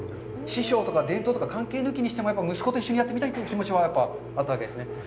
師匠とか伝統とか関係なくやっぱり息子と一緒にやってみたいという気持ちがあったわけですね。